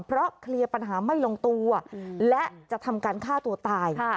เพราะเคลียร์ปัญหาไม่ลงตัวและจะทำการฆ่าตัวตาย